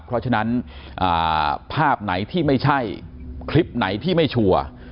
เพราะฉะนั้นภาพไหนที่ไม่ใช่คลิปไหนที่ไม่ชัวร์